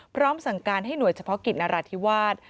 พร้อมสั่งการให้หน่วยเฉพาะกิจนราธิวาส